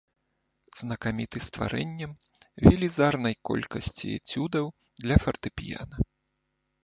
Знакаміты стварэннем велізарнай колькасці эцюдаў для фартэпіяна.